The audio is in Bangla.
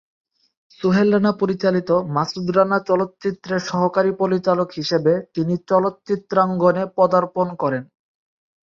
সোহেল রানা পরিচালিত মাসুদ রানা চলচ্চিত্রের সহকারী পরিচালক হিসেবে তিনি চলচ্চিত্রাঙ্গনে পদার্পণ করেন।